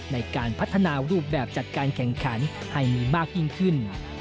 ในการพัฒนารูปแบบจัดการแข่งขันให้มีมากยิ่งขึ้น